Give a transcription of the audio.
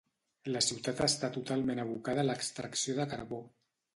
La ciutat està totalment abocada a l'extracció de carbó.